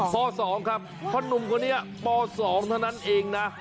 ป๒ครับเพราะหนุ่มคนนี้ป๒เท่านั้นเองนะ